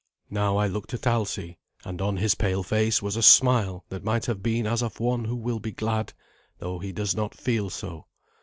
Now I looked at Alsi; and on his pale face was a smile that might have been as of one who will be glad, though he does not feel so.